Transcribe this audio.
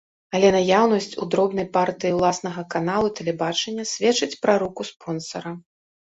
Але наяўнасць у дробнай партыі ўласнага каналу тэлебачання сведчыць пра руку спонсара.